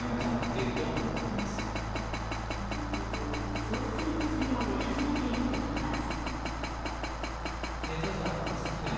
不足する薬も出始めているといいます。